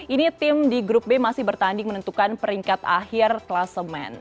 ini tim di grup b masih bertanding menentukan peringkat akhir kelasemen